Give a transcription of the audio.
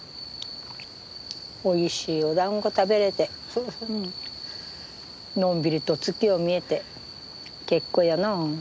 おいしいおだんご食べれてのんびりと月を見れて結構やなあ。